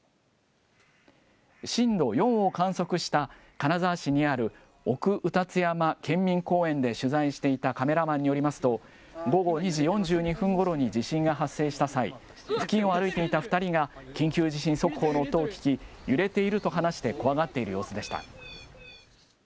震度４を観測した、金沢市にある奥卯辰山健民公園で取材していたカメラマンによりますと、午後２時４２分ごろに地震が発生した際、付近を歩いていた２人が、緊急地震速報の音を聞き、揺れていると話して怖がっている様子でした。